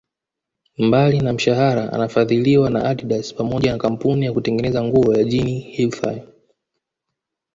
Mbalina mshahara anafadhiliwa na Adidas pamoja na kampuni ya kutengeneza nguo ya Ginny Hilfiger